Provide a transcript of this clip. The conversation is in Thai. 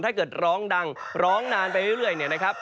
ถ้าเกิดร้องดังร้องนานไปเรื่อย